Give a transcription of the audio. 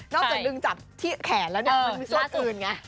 นอกจากลึงจับที่แขนแล้วเนี่ยมันมีสวบคืนไง